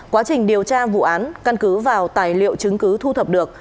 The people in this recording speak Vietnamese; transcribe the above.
quá trình điều tra vụ án căn cứ vào tài liệu chứng cứ thu thập được